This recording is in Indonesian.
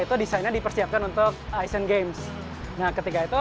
itu desainnya dipersiapkan untuk aisen games nah ketika itu ya kita menunjukkan semangat dari atlet